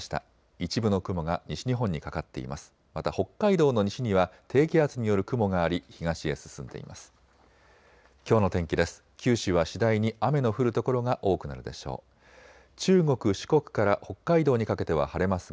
一部の雲が西日本にかかっています。